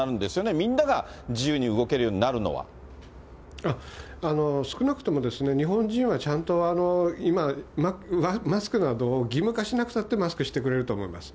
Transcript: みんなが自由に動けるようになる少なくとも、日本人はちゃんと今マスクなどを義務化しなくたって、マスクしてくれると思います。